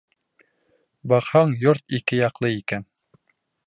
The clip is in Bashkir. Баҡһаң, йорт ике яҡлы икән.